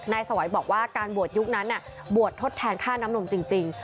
สวัยบอกว่าการบวชยุคนั้นบวชทดแทนค่าน้ำนมจริง